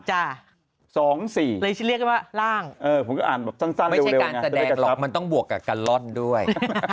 จ้ะเลยเรียกกันว่าล่างไม่ใช่การแสดงหรอกมันต้องบวกกับกันร่อนด้วย